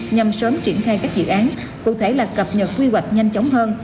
nhằm sớm triển khai các dự án cụ thể là cập nhật quy hoạch nhanh chóng hơn